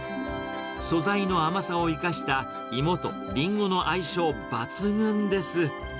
素材の甘さを生かした芋とリンゴの相性抜群です。